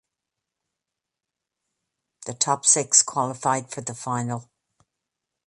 The top six qualified for the final.